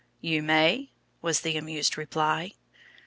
"You may," was the amused reply.